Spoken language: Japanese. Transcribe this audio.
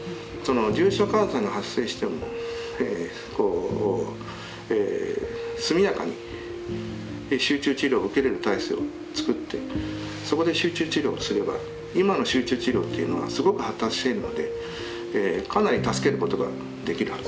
重症患者さんが発生しても速やかに集中治療を受けれる体制をつくってそこで集中治療をすれば今の集中治療というのはすごく発達しているのでかなり助けることができるはず。